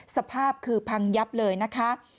สภาพคือพังยับเลยนะคะ